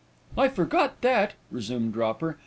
"I forgot that," resumed Dropper.